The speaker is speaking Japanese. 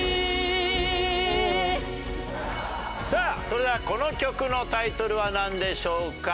それではこの曲のタイトルはなんでしょうか？